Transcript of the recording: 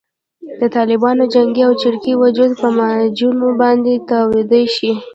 د طالبانو جنګي او چریکي وجود په معجونو باندې تداوي شي.